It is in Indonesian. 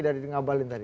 dari bang kabalin tadi